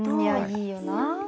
いいよな。